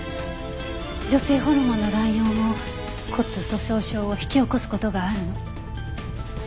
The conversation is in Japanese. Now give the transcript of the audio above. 女性ホルモンの乱用も骨粗鬆症を引き起こす事があるの。